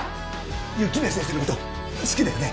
雪宮先生の事好きだよね？